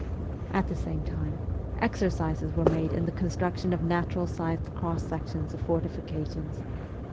At the same time, exercises were made in the con struction of natural sized cross sections of fortifications.